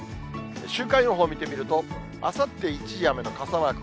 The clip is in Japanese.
週間予報見てみると、あさって、一時雨の傘マーク。